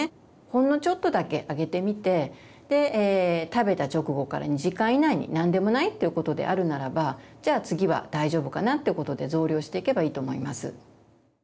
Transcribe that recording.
ほんのちょっとだけあげてみて食べた直後から２時間以内に何でもないということであるならばじゃあ次は大丈夫かなということで増量していけばいいと思います。